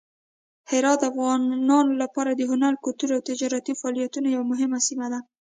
هرات د افغانانو لپاره د هنر، کلتور او تجارتي فعالیتونو یوه مهمه سیمه ده.